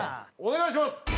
お願いします！